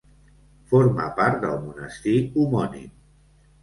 Forma part del monestir homònim.